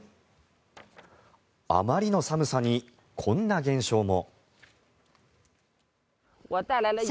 あまりの寒さに、こんな現象も。